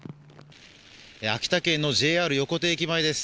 秋田県のＪＲ横手駅前です。